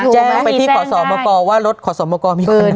แจ้งหรอแจ้งได้